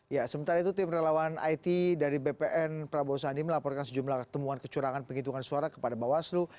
ya sementara itu tim relawan it dari bpn prabowo sandi melaporkan sejumlah temuan kecurangan penghitungan suara kepada bawaslu